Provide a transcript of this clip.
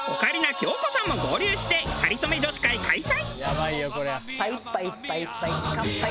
京子さんも合流して『かりそめ』女子会開催！